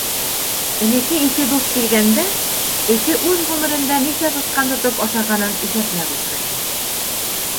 Элекке ике дуҫ килгәндә, өкө үҙ ғүмерендә нисә сысҡан тотоп ашағанын иҫәпләп ултыра ине.